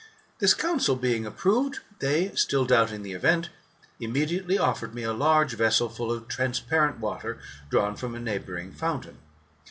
This counsel being approved, they, still doubting the event, immediately offered me a large vessel, full of transparent water, drawn from a neighbouring fountain.